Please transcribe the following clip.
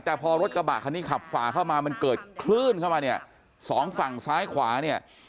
แต่พอรถกระบะคันนี้ขับฝ่าเข้ามามันเกิดคลื่นเข้ามาเนี่ยสองฝั่งซ้ายขวาเนี่ย